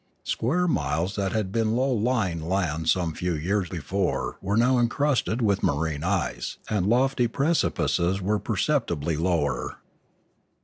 Square miles that had been low lying land some few years before were now encrusted with marine ice; and lofty precipices were perceptibly lower.